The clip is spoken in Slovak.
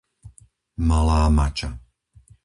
Malá Mača